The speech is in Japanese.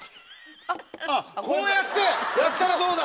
こうやってやったらどうだ？